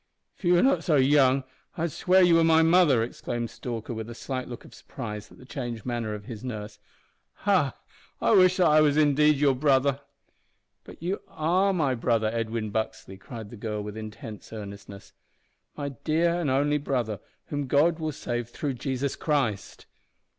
"If you were not so young I'd swear you were my mother," exclaimed Stalker, with a slight look of surprise at the changed manner of his nurse. "Ha! I wish that I were indeed your brother." "But you are my brother, Edwin Buxley," cried the girl with intense earnestness, "my dear and only brother, whom God will save through Jesus Christ?"